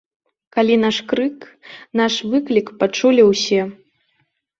Калі наш крык, наш выклік пачулі ўсе.